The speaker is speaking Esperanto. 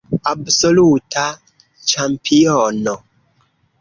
Absoluta ĉampiono.